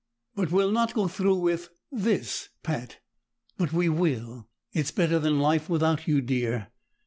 "But we'll not go through with this, Pat!" "But we will! It's better than life without you, Dear.